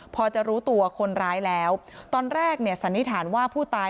พอจะรู้ตัวคนร้ายแล้วตอนแรกเนี่ยสันนิษฐานว่าผู้ตาย